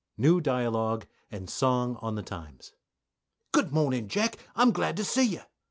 NEW DIALOGUE AND SONG ON THE TIMES. Bill. Good morning, Jack, I'm glad to see you.